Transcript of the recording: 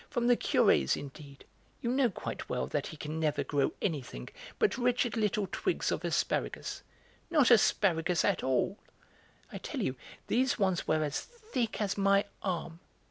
"From the Curé's, indeed! You know quite well that he can never grow anything but wretched little twigs of asparagus, not asparagus at all. I tell you these ones were as thick as my arm.